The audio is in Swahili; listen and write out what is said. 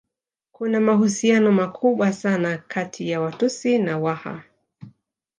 Kuna mahusiano makubwa sana kati ya Watusi na Waha